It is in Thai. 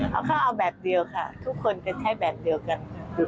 เขาก็เอาแบบเดียวค่ะทุกคนเป็นแค่แบบเดียวกัน